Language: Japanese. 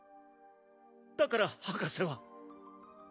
だから博士は。